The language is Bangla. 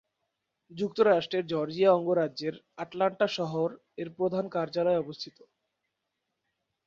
যুক্তরাষ্ট্রের জর্জিয়া অঙ্গরাজ্যের আটলান্টা শহরে এর প্রধান কার্যালয় অবস্থিত।